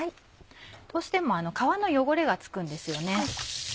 どうしても皮の汚れが付くんですよね。